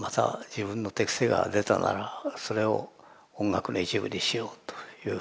自分の手癖が出たならそれを音楽の一部にしようというふうに。